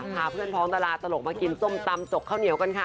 พาเพื่อนพ้องตลาดตลกมากินส้มตำจกข้าวเหนียวกันค่ะ